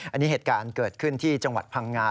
อันนี้เหตุการณ์เกิดขึ้นที่จังหวัดพังงา